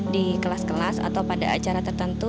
di kelas kelas atau pada acara tertentu